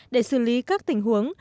để xử lý các tình huống